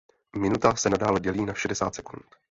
Minuta se dále dělí na šedesát sekund.